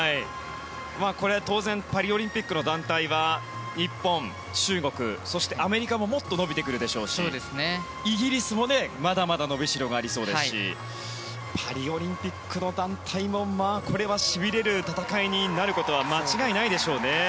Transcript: これは当然パリオリンピックの団体は日本、中国、そしてアメリカももっと伸びてくるでしょうしイギリスもまだまだ伸びしろがありそうですしパリオリンピックの団体もこれはしびれる戦いになることは間違いないでしょうね。